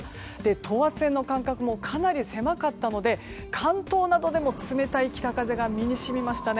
等圧線の間隔もかなり狭かったので関東などでも冷たい北風が身にしみましたね。